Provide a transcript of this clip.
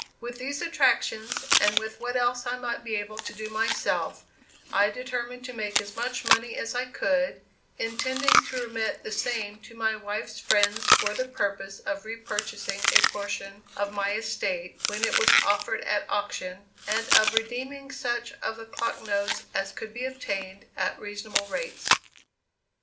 With these attractions, and with what else I might be able to do myself, I determined to make as much money as I could, intending to remit the same to my wife's friends, for the purpose of repurchasing a portion of my estate, when it was offered at auction, and of redeeming such of the clock notes as could be obtained at reasonable rates.